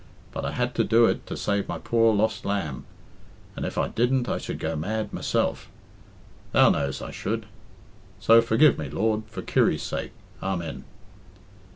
But I had to do it to save my poor lost lamb, and if I didn't I should go mad myself Thou knows I should. So forgive me, Lord, for Kirry's sake. Amen."